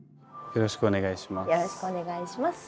よろしくお願いします。